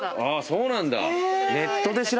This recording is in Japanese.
そうなんだ。